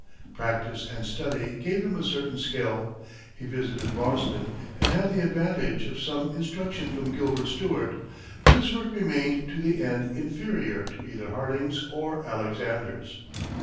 Practice and study gave him a certain skill; he visited Boston and had the advantage of some instruction from Gilbert Stuart, but his work remained to the end inferior to either Harding's or Alexander's.